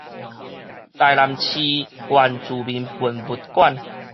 臺南市原住民文物館